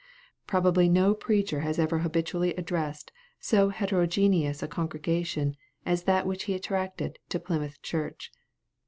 Probably no preacher has ever habitually addressed so heterogeneous a congregation as that which he attracted to Plymouth Church.